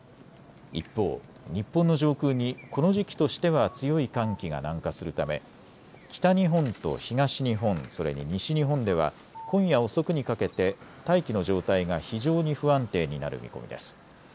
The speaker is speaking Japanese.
一方、日本の上空にこの時期としては強い寒気が南下するため北日本と東日本、それに西日本では今夜遅くにかけて大気の状態が非常に不安定になる見込みです。